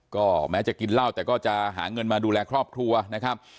ก็แม้จะกินเหล้าแต่ก็จะหาเงินมาดูแลครอบครัวนะครับ